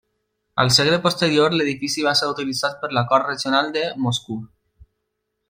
Al segle posterior l'edifici va ser utilitzat per la Cort Regional de Moscou.